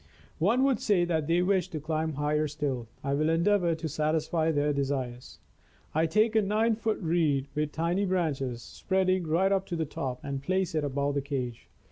One would say that they wished to climb higher still. I will endeavor to satisfy their desires. I take a nine foot reed, with tiny branches spreading right up to the top, and place it above the cage.